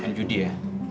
main judi ya